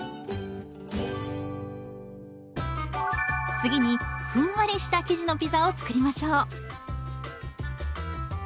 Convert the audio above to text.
次にふんわりした生地のピザを作りましょう。